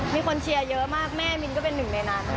แม่มินก็เป็นหนึ่งในนั้นอะ